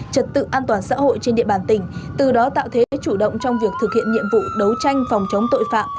trật tự an toàn xã hội trên địa bàn tỉnh từ đó tạo thế chủ động trong việc thực hiện nhiệm vụ đấu tranh phòng chống tội phạm